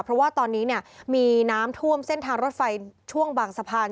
เพราะว่าตอนนี้มีน้ำท่วมเส้นทางรถไฟช่วงบางสะพาน